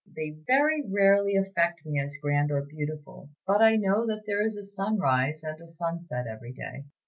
They very rarely affect me as grand or beautiful; but I know that there is a sunrise and a sunset every day.